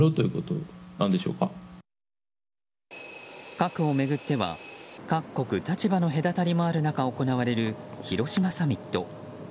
核を巡っては各国、立場の隔たりがある中行われる広島サミット。